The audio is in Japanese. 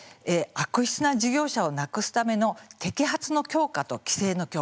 悪質な事業者をなくすための摘発の強化と規制の強化。